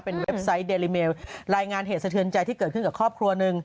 เป็นเว็บไซต์เดลิเมลรายงานเหตุสะเทือนใจที่เกิดขึ้นกับครอบครัวหนึ่ง